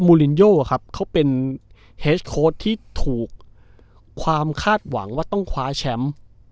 มูลินโย่อ่ะครับเขาเป็นที่ถูกความคาดหวังว่าต้องคว้าแชมป์